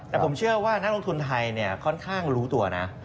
แต่ผมเชื่อว่านักลงทุนไทยค่อนข้างรู้ตัวนะ